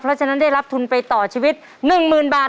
เพราะฉะนั้นได้รับทุนไปต่อชีวิต๑๐๐๐บาท